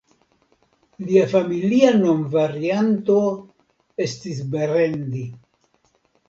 Lia familia nomvarianto estis Berendi.